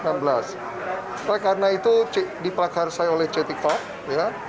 oleh karena itu dipelakar saya oleh ct club